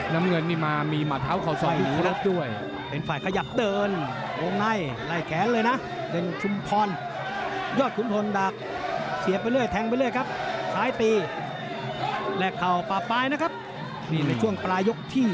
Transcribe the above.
น้ำเงินนี่มามีมะเท้าเคราสองหูด้วย